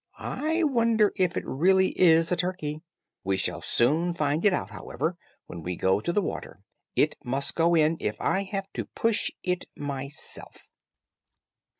I wonder if it really is a turkey. We shall soon find it out, however when we go to the water. It must go in, if I have to push it myself."